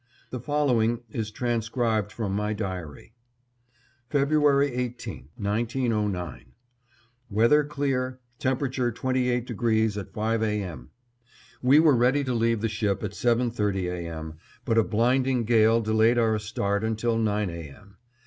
The following is transcribed from my diary: February 18, 1909: Weather clear, temperature 28° at five A. M. We were ready to leave the ship at seven thirty A. M., but a blinding gale delayed our start until nine A. M.